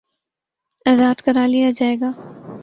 آزاد کرا لیا جائے گا